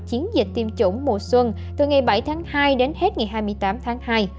chiến dịch tiêm chủng mùa xuân từ ngày bảy tháng hai đến hết ngày hai mươi tám tháng hai